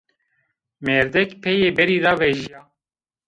Mêrdek peyê berî ra vejîya